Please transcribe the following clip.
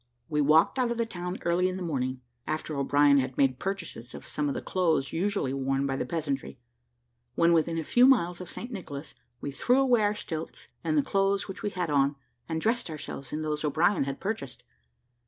We walked out of the town early in the morning, after O'Brien had made purchases of some of the clothes usually worn by the peasantry. When within a few miles of St. Nicholas, we threw away our stilts and the clothes which we had on, and dressed ourselves in those O'Brien had purchased.